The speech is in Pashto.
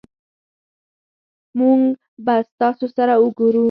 مونږ به ستاسو سره اوګورو